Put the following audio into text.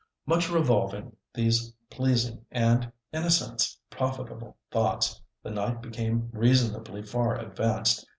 Much revolving these pleasing and, in a sense, profitable thoughts, the night became reasonably far advanced.